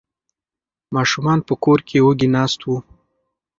ماشومان په کور کې وږي ناست وو.